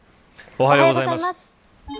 おはようございます。